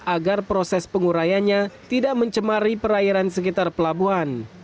agar proses pengurayannya tidak mencemari perairan sekitar pelabuhan